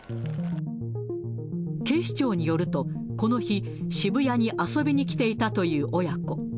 警視庁によると、この日、渋谷に遊びに来ていたという親子。